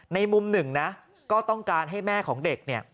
ในมุมหนึ่งนะก็ต้องการให้แม่ของเด็กเนี่ย